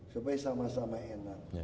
supaya sama sama enak